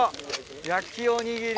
焼きおにぎり。